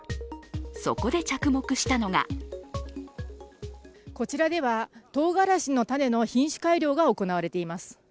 そこで着目したのがこちらでは、とうがらしの種の品種改良が行われています。